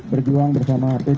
berjuang bersama rp tiga